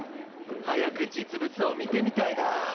早く実物を見てみたいな。